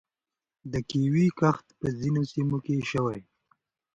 د کیوي کښت په ځینو سیمو کې شوی.